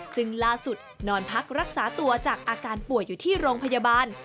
ซึ่งล่าสุดนอนพักรักษาตัวจากอาการป่วยอยู่ที่โรงพยาบาล